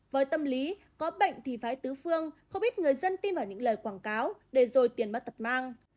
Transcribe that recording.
với tâm lý có bệnh thì phải tứ phương không biết người dân tin vào những lời quảng cáo để rồi tiền bắt tập mang